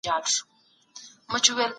د نظر اختلاف د پرمختګ سبب ګرځي.